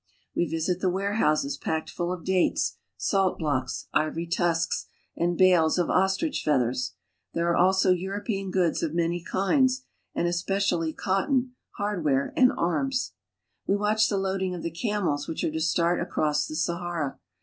We visit the warehouses packed full of dates, salt blocks, ivory tusks, and bales of ostrich feathers. There are also European goods of many kinds, and especially cotton, hardware, and ^rms. We watch the loading of the camels which are to start I across the Sahara.